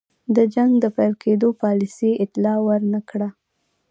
د جنګ د پیل کېدلو پالیسۍ اطلاع ور نه کړه.